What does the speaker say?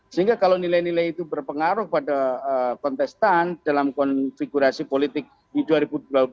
sehingga kalau nilai nilai itu berpengaruh pada kontestan dalam konfigurasi politik di dua ribu dua puluh empat